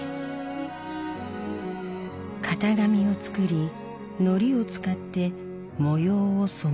型紙を作りのりを使って模様を染め分ける